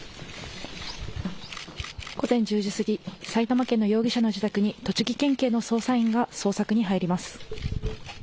午前１０時過ぎ埼玉県の容疑者の自宅に栃木県警の捜査員が捜索に入ります。